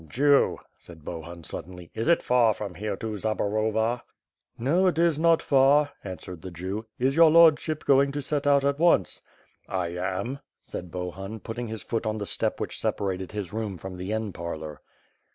"Jew," said Bohun, suddenly, "is it far from here to Zabor ova?" "No, it is not far," answered the Jew. 'T^s your lordship going to set out at once?" "I am," said Bohun, putting his foot on the step which separated his room from the inn parlor.